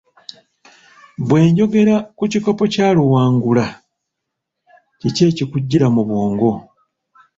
Bwe njogera ku kikopo kya Luwangula, kiki ekikujjira mu bw'ongo?